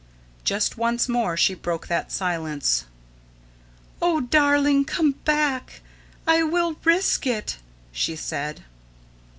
Just once more she broke that silence. "Oh, darling, come back! I WILL RISK IT," she said.